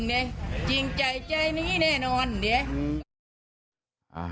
เดี๋ยวลองดูบรรยากาศหน่อยค่ะไปฟังเสียงค่ะ